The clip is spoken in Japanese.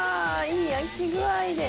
いい焼き具合で。